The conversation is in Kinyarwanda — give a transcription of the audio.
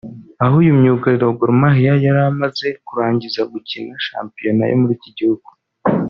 aho uyu myugariro wa Gor’mariah yaramaze kurangiza gukina shampiyona yo muri iki gihugu